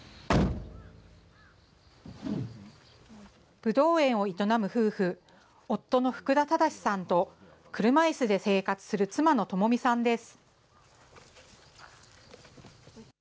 ぶどう園を営む夫婦、夫の福田靖さんと、車いすで生活する妻の智美さんです。